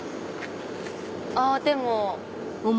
あでも。